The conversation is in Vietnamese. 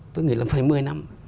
tôi nghĩ là phải một mươi năm